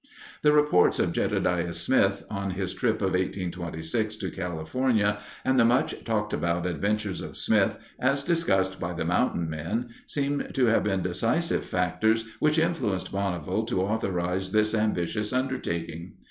The reports of Jedediah Smith on his trip of 1826 to California and the much talked about adventures of Smith, as discussed by the mountain men, seem to have been decisive factors which influenced Bonneville to authorize this ambitious undertaking.